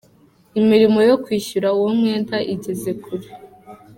Imirimo yo kwishyura uwo mwenda igeze kure.